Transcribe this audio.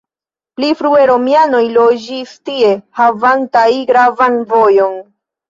Pli frue romianoj loĝis tie havantaj gravan vojon.